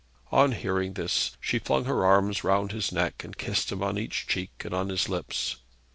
On hearing this, she flung her arms round his neck and kissed him on each cheek and on his lips.